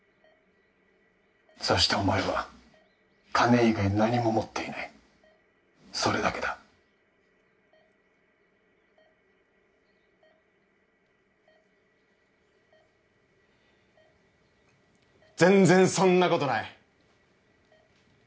そしてお前は金以外何も持っていないそれだけだ全然そんなことない